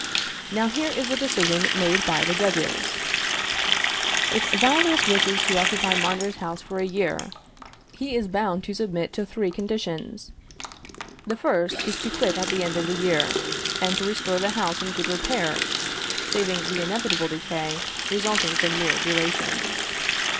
Now here is the decision made by the judges: If Valerius wishes to occupy Mondor's house for a year, he is bound to submit to three conditions. The first is to quit at the end of the year, and to restore the house in good repair, saving the inevitable decay resulting from mere duration.